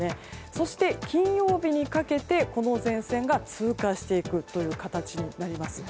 そして、金曜日にかけて前線が通過していく形になります。